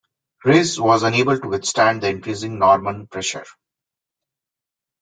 Rhys was unable to withstand the increasing Norman pressure.